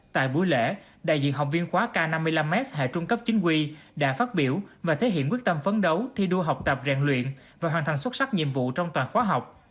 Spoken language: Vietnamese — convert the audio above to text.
tại buổi lễ đại diện học viên khóa k năm mươi năm s hệ trung cấp chính quy đã phát biểu và thể hiện quyết tâm phấn đấu thi đua học tập rèn luyện và hoàn thành xuất sắc nhiệm vụ trong toàn khóa học